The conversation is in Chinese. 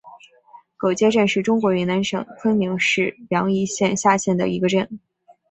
狗街镇是中国云南省昆明市宜良县下辖的一个镇。